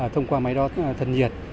thông qua máy đo thân nhiệt